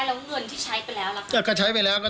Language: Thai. คืนได้แล้วเงินที่ใช้ไปแล้วหรือเปล่า